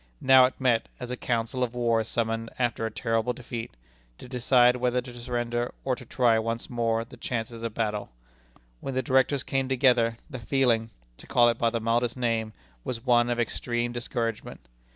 Now it met, as a council of war is summoned after a terrible defeat, to decide whether to surrender or to try once more the chances of battle. When the Directors came together, the feeling to call it by the mildest name was one of extreme discouragement.